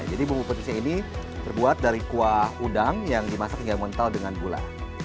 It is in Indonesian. jadi bumbu petisnya ini terbuat dari kuah udang yang dimasak hingga mentah dengan gula